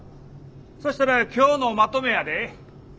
そしたら今日のまとめやで。